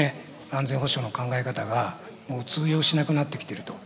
安全保障の考え方がもう通用しなくなってきてると。